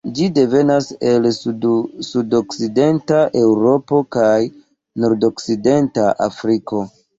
Ĝi devenas el sudokcidenta Eŭropo kaj nordokcidenta Afriko.